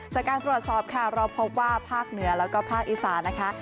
จากการตรวจสอบค่ะเราพบว่าภาคเหนือแล้วก็ภาคอีสานนะคะ